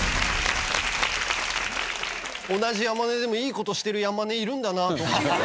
同じ山根でもいい事してる山根いるんだなと思って。